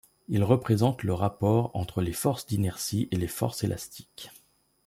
Il représente le rapport entre les forces d'inertie et les forces élastiques.